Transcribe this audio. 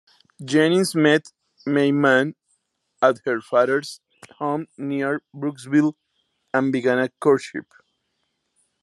Jennings met May Mann at her father's home near Brooksville, and began a courtship.